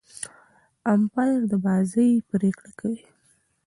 امپاير د بازۍ پرېکړي کوي.